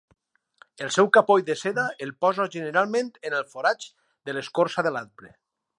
El seu capoll de seda el posa generalment en els forats de l'escorça de l'arbre.